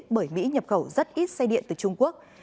bởi mỹ nhập khẩu rất ít xe điện từ trung quốc